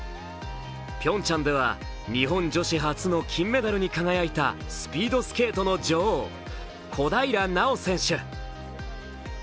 ピョンチャンでは日本女子初の金メダルに輝いたスピードスケートの女王・小平奈緒選手。